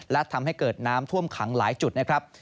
และทำให้เกิดน้ำท่วมขังหลายจุดนะครับ